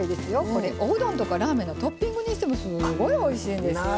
これおうどんとかラーメンのトッピングにしてもすごいおいしいんですよ。